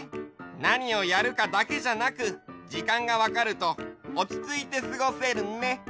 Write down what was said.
なにをやるかだけじゃなくじかんがわかるとおちついてすごせるね。